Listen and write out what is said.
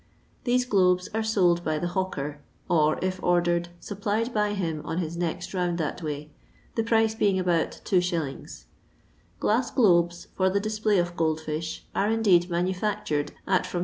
These globes are fold by the hawker, or, if ordered, supplied by him on his next round that way, the price being about 2s, Qlass globes, for the display of gold fish, are indeed manufactured at from 6d.